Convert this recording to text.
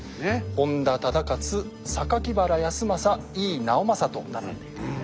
本多忠勝原康政井伊直政と並んでいますね。